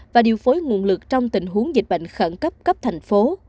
và điều phối nguồn lực trong tình huống dịch bệnh khẩn cấp cấp thành phố